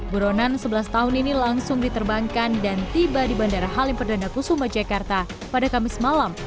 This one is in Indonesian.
buronan sebelas tahun ini langsung diterbangkan dan tiba di bandara halim perdana kusuma jakarta pada kamis malam